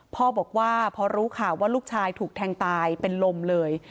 พ่อบอกว่าพอรู้ข่าวว่าลูกชายถูกแทงตายเป็นลมเลย